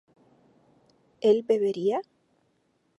¿él bebería?